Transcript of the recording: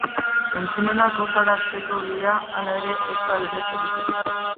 Zentzumenak gozarazteko bidea, halere, ez da berez egiten.